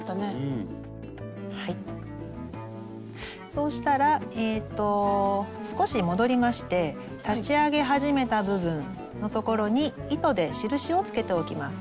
そうしたら少し戻りまして立ち上げ始めた部分のところに糸で印をつけておきます。